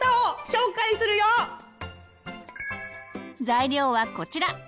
材料はこちら。